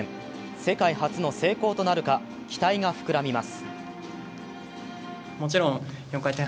世界初の成功となるか期待が膨らみます。